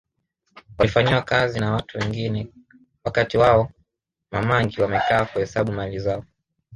Walifanyiwa kazi na watu wengine wakati wao Ma mangi wamekaa kuhesabu mali zao